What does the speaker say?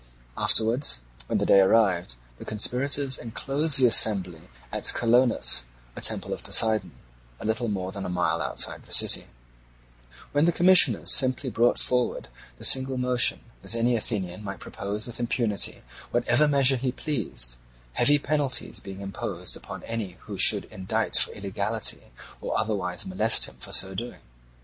Afterwards, when the day arrived, the conspirators enclosed the assembly in Colonus, a temple of Poseidon, a little more than a mile outside the city; when the commissioners simply brought forward this single motion, that any Athenian might propose with impunity whatever measure he pleased, heavy penalties being imposed upon any who should indict for illegality, or otherwise molest him for so doing.